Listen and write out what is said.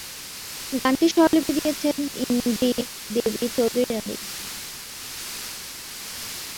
গানটির স্বরলিপি দিয়েছেন ইন্দিরা দেবী চৌধুরানী।